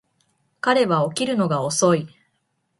彼は起きるのが遅い